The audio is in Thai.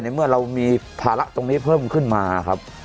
เมื่อเรามีภาระตรงนี้เพิ่มขึ้นมาครับ